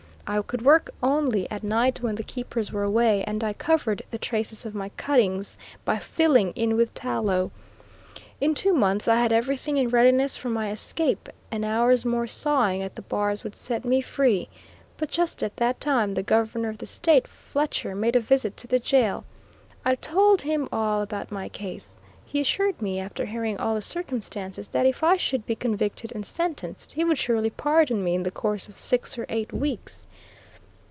I could work only at night, when the keepers were away, and I covered the traces of my cuttings by filling in with tallow. In two months I had everything in readiness for my escape. An hour's more sawing at the bars would set me free. But just at that time the Governor of the State, Fletcher, made a visit to the jail. I told him all about my case. He assured me, after hearing all the circumstances, that if I should be convicted and sentenced, he would surely pardon me in the course of six or eight weeks.